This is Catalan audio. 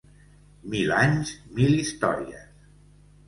Mil anys, mil històries!